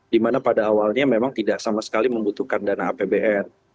dimana pada awalnya memang tidak sama sekali membutuhkan dana apbn